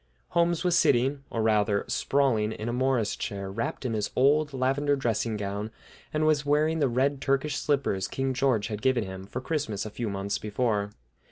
Holmes was sitting, or, rather, sprawling in a Morris chair, wrapped in his old lavender dressing gown, and was wearing the red Turkish slippers King George had given him for Christmas a few months before.